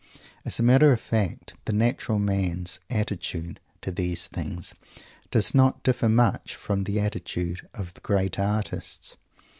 As a matter of fact, the natural man's attitude to these things does not differ much from the attitude of the great artists.